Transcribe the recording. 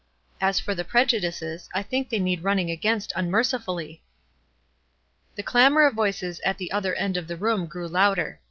As for the prejudices, I think they need running against unmercifully." The clamor of voices at the other end of the room grew louder.